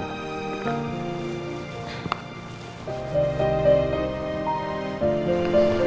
ma harus makan